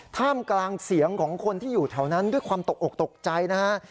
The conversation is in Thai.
ท่ามกลางเสียงของคนที่อยู่แถวนั้นด้วยความตกอกตกใจนะฮะ